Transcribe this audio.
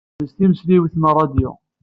Yeḥbes timesliwt n ṛṛadyu.